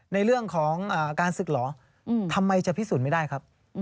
ในเรื่องของการศึกเหรอทำไมจะพิสูจน์ไม่ได้ครับ